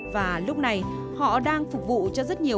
và lúc này họ đang phục vụ cho rất nhiều